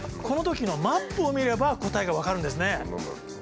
このときのマップを見れば答えが分かるんですね。